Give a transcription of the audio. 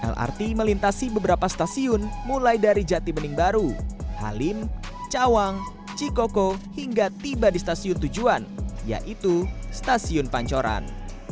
lrt melintasi beberapa stasiun mulai dari jati bening baru halim cawang cikoko hingga tiba di stasiun tujuan yaitu stasiun pancoran